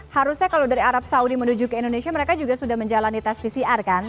harusnya kalau dari arab saudi menuju ke indonesia mereka juga sudah menjalani tes pcr kan